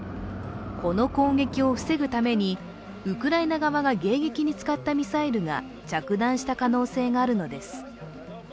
この攻撃を防ぐために、ウクライナ側が迎撃に使ったミサイルが着弾した可能性があるのです。